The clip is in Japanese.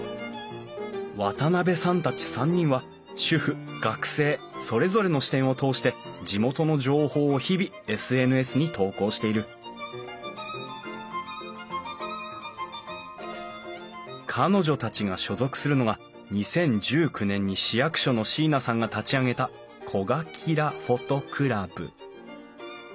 渡辺さんたち３人は主婦学生それぞれの視点を通して地元の情報を日々ＳＮＳに投稿している彼女たちが所属するのが２０１９年に市役所の椎名さんが立ち上げた「こがキラＰｈｏｔｏクラブ」。